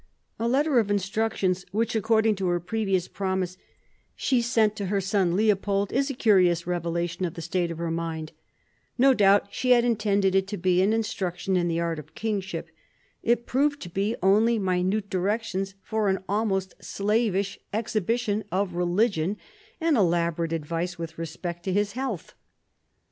A letter of instructions which, according to her previous promise, she sent to her son K 1758 65 DOMESTIC AFFAIRS 203 Leopold, is a curious revelation of the state of her mind No doubt she had intended it to be an instruc tion in the art of kingship ; it proved to be only minute directions for an almost slavish exhibition of religion and elaborate advice with respect to his health.